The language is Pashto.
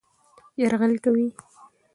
يرغل کوي